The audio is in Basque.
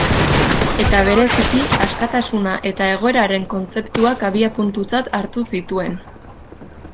Eta bereziki, askatasuna eta egoeraren kontzeptuak abiapuntutzat hartu zituen.